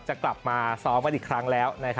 จะกลับมาซ้อมกันอีกครั้งแล้ว